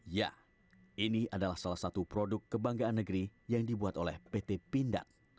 ya ini adalah salah satu produk kebanggaan negeri yang dibuat oleh pt pindad